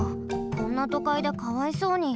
こんなとかいでかわいそうに。